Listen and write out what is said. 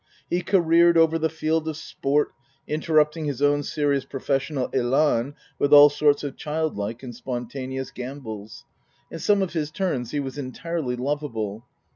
He careered over the field of sport, inter rupting his own serious professional elan with all sorts of childlike and spontaneous gambols. In some of his turns he was entirely lovable.